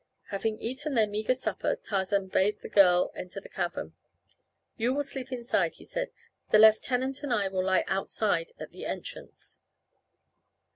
Having eaten their meager supper Tarzan bade the girl enter the cavern. "You will sleep inside," he said. "The lieutenant and I will lie outside at the entrance."